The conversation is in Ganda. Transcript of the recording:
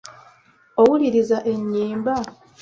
Owuliriza ennyimba?